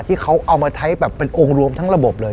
ที่เขาเอามาใช้แบบเป็นองค์รวมทั้งระบบเลย